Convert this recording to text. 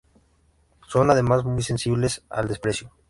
Son, además, muy sensibles al desprecio.